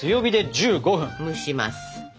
蒸します。